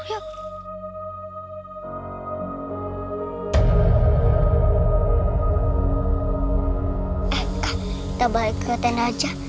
eh kak kita balik ke tenda aja